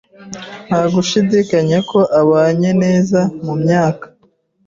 Nta gushidikanya ko abanye neza mu myaka.